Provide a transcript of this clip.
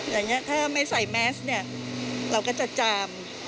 อย่างนี้ถ้าไม่ใส่แมสเนี่ยเราก็จะจาม